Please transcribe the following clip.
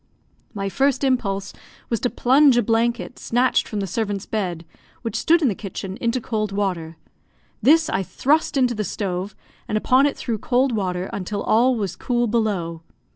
My first impulse was to plunge a blanket, snatched from the servant's bed, which stood in the kitchen, into cold water. This I thrust into the stove, and upon it threw cold water, until all was cool below.